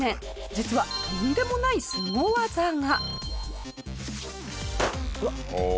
実はとんでもないスゴ技が。